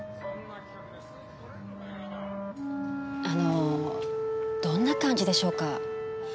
あのどんな感じでしょうか？